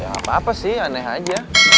ya gapapa sih aneh aja